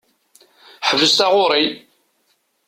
Ḥbes taɣuṛi!